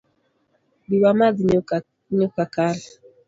Bi wamadh nyuka kal